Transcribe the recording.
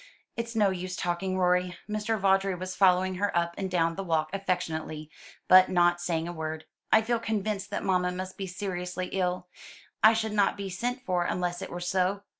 It's no use talking, Rorie." Mr. Vawdrey was following her up and down the walk affectionately, but not saying a word. "I feel convinced that mamma must be seriously ill; I should not be sent for unless it were so.